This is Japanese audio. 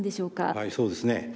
はいそうですね。